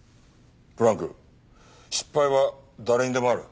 ブランク失敗は誰にでもある。